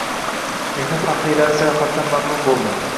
Mehnat faxriylari sayohatdan mamnun bo‘ldi